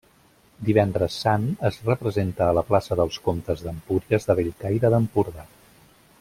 Divendres Sant, es representa a la plaça dels Comtes d'Empúries de Bellcaire d'Empordà.